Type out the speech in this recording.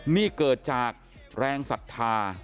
นี่เกิดจากแรงศรัทธา